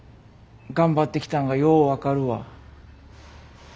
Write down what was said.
頑張ってきたんがよう分かるわ。